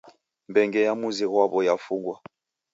Mbenge ya muzi ghwaw'o yafungwa